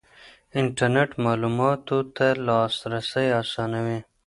انټرنېټ معلوماتو ته لاسرسی اسانوي.